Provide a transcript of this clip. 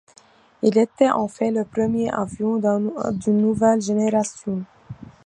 Il était en fait le premier avion d'une nouvelle génération.